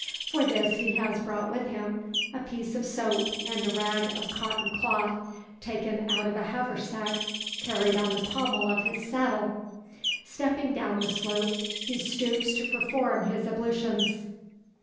For this he has brought with him a piece of soap and a rag of cotton cloth, taken out of a haversack carried on the pommel of his saddle. Stepping down the slope, he stoops to perform his ablutions.